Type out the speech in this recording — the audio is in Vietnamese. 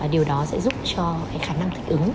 điều đó sẽ giúp cho khả năng thích ứng